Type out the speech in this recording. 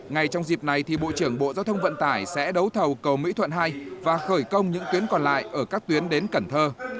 ngay trong dịp này bộ trưởng bộ giao thông vận tải sẽ đấu thầu cầu mỹ thuận hai và khởi công những tuyến còn lại ở các tuyến đến cần thơ